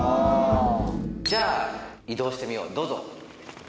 じゃあ、移動してみよう、どうぞ。